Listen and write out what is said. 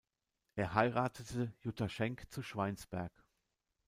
Er heiratete Jutta Schenk zu Schweinsberg.